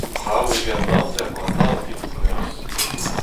Brav e vez an amzer war an aod e miz Meurzh.